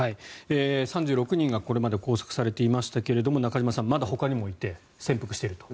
３６人がこれまで拘束されていましたが中島さん、まだほかにもいて潜伏していると。